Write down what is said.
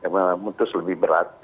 memutus lebih berat